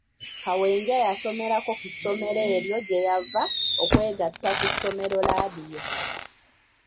Kawenja yasomerako ku ssomero eryo gye yava okwegatta ku ssomero laadiyo.